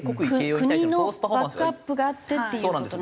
国のバックアップがあってっていう事なんですか？